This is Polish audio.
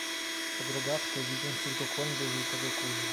"pod rogatkę, widząc tylko kłęby żółtego kurzu."